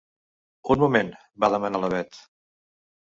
Un moment —va demanar la Bet—.